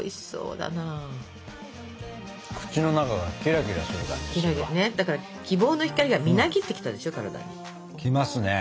だから希望の光がみなぎってきたでしょ体に。来ますね。